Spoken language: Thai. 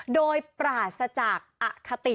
โดยปราศจากอคติ